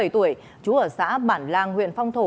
năm mươi bảy tuổi chú ở xã bản lan huyện phong thổ